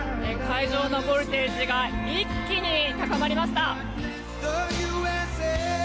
会場のボルテージが一気に高まりました。